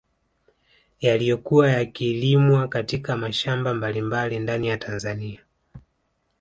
Yaliyokuwa yakilimwa katika mashamba mbalimbali ndani ya Tanzania